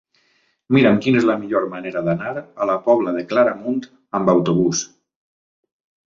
Mira'm quina és la millor manera d'anar a la Pobla de Claramunt amb autobús.